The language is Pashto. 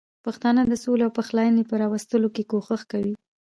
پښتانه د سولې او پخلاینې په راوستلو کې کوښښ کوي.